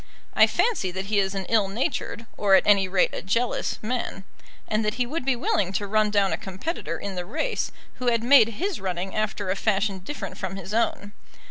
I fancy that he is an ill natured or at any rate a jealous man; and that he would be willing to run down a competitor in the race who had made his running after a fashion different from his own.